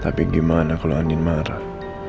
tapi gimana kalau angin marah